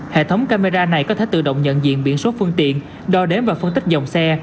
hệ thống camera này có thể tự động nhận diện biển số phương tiện đo đếm và phân tích dòng xe